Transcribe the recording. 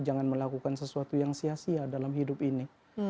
jangan melakukan sesuatu yang sia sia dalam hidup ini